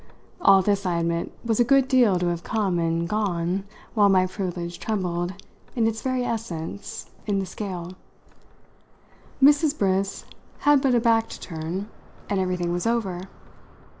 All this, I admit, was a good deal to have come and gone while my privilege trembled, in its very essence, in the scale. Mrs. Briss had but a back to turn, and everything was over.